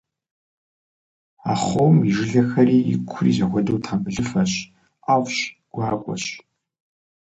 Ахъом и жылэхэри икури зэхуэдэу тхьэмбылыфэщ, ӏэфӏщ, гуакӏуэщ.